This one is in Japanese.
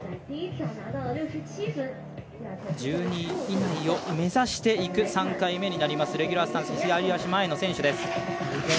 １２位以内を目指していく３回目になります。